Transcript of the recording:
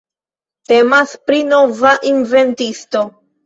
Temas pri nova inventisto.